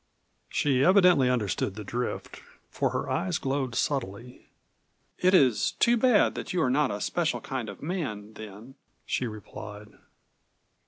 She evidently understood the drift, for her eyes glowed subtly. "It is too bad that you are not a 'special kind of man,' then," she replied.